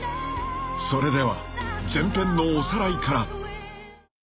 ［それでは前編のおさらいから］